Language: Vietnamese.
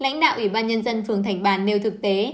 lãnh đạo ủy ban nhân dân phường thành bàn nêu thực tế